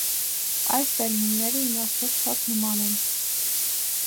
Այս տերմինները իմաստով շատ նման են։